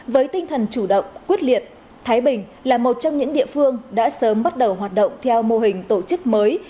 với tinh thần chủ động quyết liệt thái bình là một trong những địa phương đã sớm bắt đầu hoạt động theo mô hình tổ chức mới